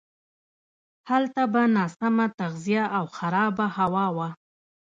هلته به ناسمه تغذیه او خرابه هوا وه.